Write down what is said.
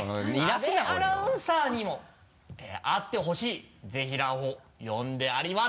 阿部アナウンサーにも会ってほしいぜひらーを呼んであります。